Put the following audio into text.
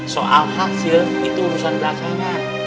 soal hasil itu urusan belakangan